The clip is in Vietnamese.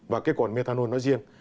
và cái cồn methanol nói riêng